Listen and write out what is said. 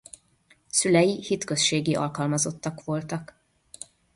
Szülei hitközségi alkalmazottak voltak.